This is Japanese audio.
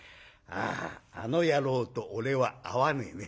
あの野郎と俺は合わねえね。